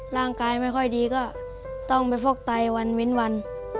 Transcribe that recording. ร่างกายไม่ค่อยดีก็ต้องไปฟอกไตวันเว้นวัน